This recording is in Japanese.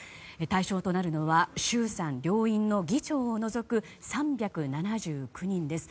対象となるのは衆参両院の議長を除く３７９人です。